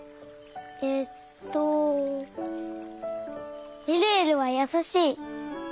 えっとえるえるはやさしい。